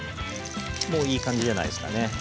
もういい感じじゃないですかね。